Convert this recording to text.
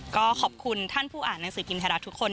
ก็ขอบคุณท่านผู้อ่านหนังสือพิมพ์ไทยรัฐทุกคน